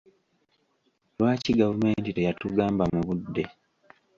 Lwaki gavumenti teyatugamba mu budde?